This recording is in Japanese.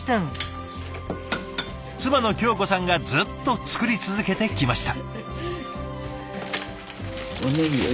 妻の京子さんがずっと作り続けてきました。